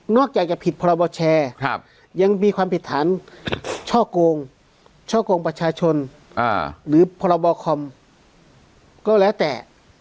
จากจะผิดพรบแชร์ยังมีความผิดฐานช่อกงช่อกงประชาชนหรือพรบคอมก็แล้วแต่